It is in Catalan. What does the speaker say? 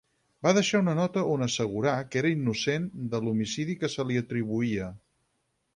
Va deixar una nota on assegurà que era innocent de l'homicidi que se li atribuïa.